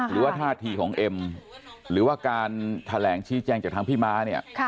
หรือว่าท่าทีของเอ็มหรือว่าการแถลงชี้แจงจากทางพี่ม้าเนี่ย